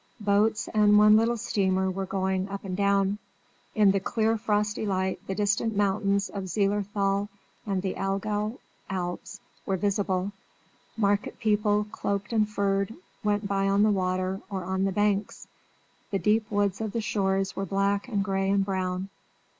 Boats and one little steamer were going up and down; in the clear frosty light the distant mountains of Zillerthal and the Algau Alps were visible; market people, cloaked and furred, went by on the water or on the banks; the deep woods of the shores were black and gray and brown.